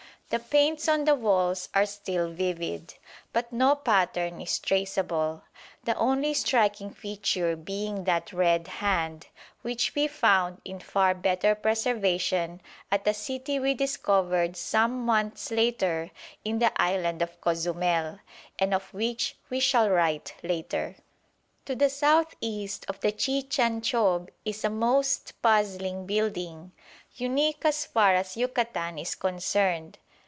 The paints on the walls are still vivid, but no pattern is traceable; the only striking feature being that "red hand," which we found in far better preservation at a city we discovered some months later in the island of Cozumel, and of which we shall write later. To the south east of the Chichanchob is a most puzzling building, unique as far as Yucatan is concerned.